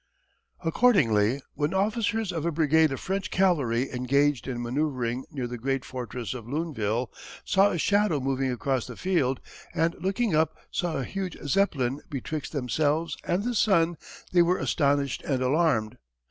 Accordingly when officers of a brigade of French cavalry engaged in manoeuvring near the great fortress of Luneville saw a shadow moving across the field and looking up saw a huge Zeppelin betwixt themselves and the sun they were astonished and alarmed.